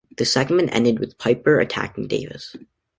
The segment ended with Piper attacking Davis.